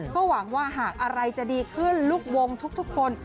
ก็หวังว่าหากอะไรจะดีขึ้นลูกวงทุกคน